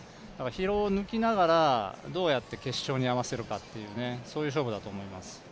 疲労を抜きながら、どうやって決勝に合わせるかという勝負だと思います。